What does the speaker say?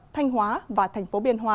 thanh hóa và tp hcm